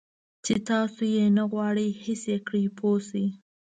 چې تاسو یې نه غواړئ حس کړئ پوه شوې!.